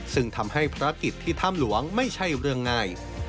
ซึ่งทำให้ภารกิจที่ถ้ำหลวงไม่ใช่เรื่องง่าย